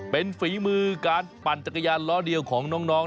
เป็นฝีมือการปั่นจักรยานล้อเดียวของน้อง